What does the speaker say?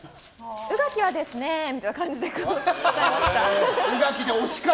宇垣はですねみたいな感じで答えました。